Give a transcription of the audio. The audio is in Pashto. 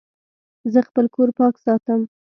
زه خپل کور پاک ساتم.